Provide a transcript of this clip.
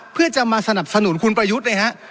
เพื่อจะมาสนับสนุนคุณประยุทธ์เลยฮะ